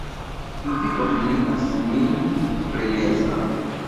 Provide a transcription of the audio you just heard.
Ĉu vi opinias min freneza?